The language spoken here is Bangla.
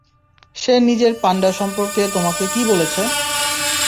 সে নিজের পান্ডা সম্পর্কে তোমাকে কী বলেছে?